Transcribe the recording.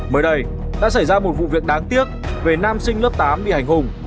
mới đây đã xảy ra một vụ việc đáng tiếc về nam sinh lớp tám bị hành hùng